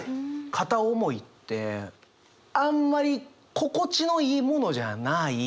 片思いってあんまり心地のいいものじゃない。